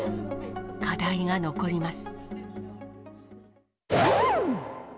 課題が残ります。